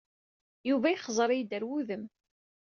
Yuba yexzer-iyi-d ɣer wudem.